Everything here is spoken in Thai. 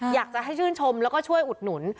อยากจะให้ชื่นชมแล้วก็ช่วยอุดหนุน